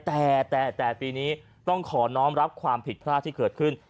แต่แต่ปีนี้ต้องขอน้องรับความผิดพลาดที่เกิดขึ้น